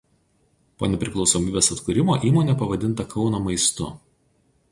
Po nepriklausomybės atkūrimo įmonė pavadinta Kauno maistu.